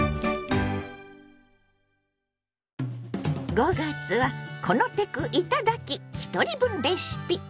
５月は「このテクいただき！ひとり分レシピ」。